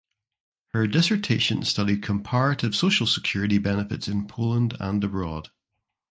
Her dissertation studied comparative social security benefits in Poland and abroad.